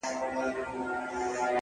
تر دې نو بله ښه غزله کتابي چیري ده ـ